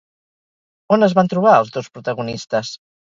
On es van trobar els dos protagonistes?